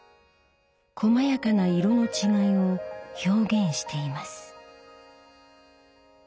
こまやかな色の違いを表現しています。